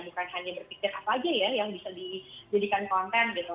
bukan hanya berpikir apa aja ya yang bisa dijadikan konten gitu